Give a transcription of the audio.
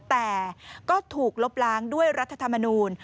แต่ก็ถูกลบล้างด้วยรัฐธรรมนูล